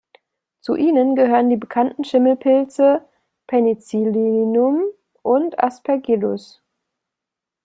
Zu ihnen gehören die bekannten Schimmelpilze "Penicillium" und "Aspergillus".